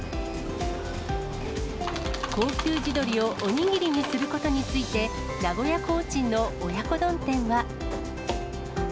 高級地鶏をおにぎりにすることについて、名古屋コーチンの親子丼店は。